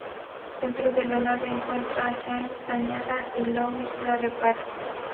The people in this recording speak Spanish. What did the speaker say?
Dentro de la nave encuentran a Janice dañada y Louis la repara.